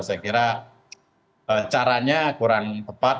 saya kira caranya kurang tepat